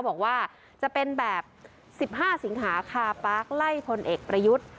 บอกว่าจะเป็นแบบ๑๕สิงหาคาปาร์คไล่พลเอกประยุทธ์